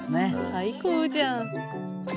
最高じゃん。